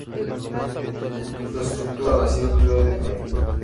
Su estructura nació en Río de Janeiro.